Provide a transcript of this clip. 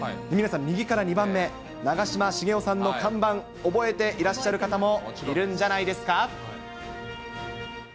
皆さん、右から２番目、長嶋茂雄さんの看板、覚えていらっしゃる方もいるんじゃないですか。